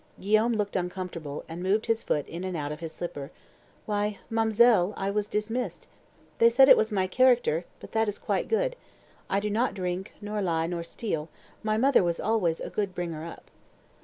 Guillaume looked uncomfortable, and moved his foot in and out of his slipper. "Why, ma'm'selle I was dismissed. They said it was my character, but that is quite good. I do not drink, nor lie, nor steal; my mother was always a good bringer up."